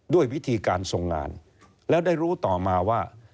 ด้วยวิธีการทรงงานแล้วได้รู้ต่อมาว่า